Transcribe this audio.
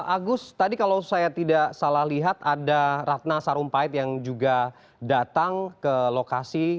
agus tadi kalau saya tidak salah lihat ada ratna sarumpait yang juga datang ke lokasi